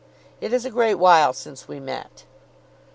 It is a great while since we met."